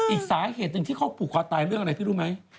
อีกสาเหตุหนึ่งที่เขาผูกคอตายเรื่องอะไรพี่รู้ไหม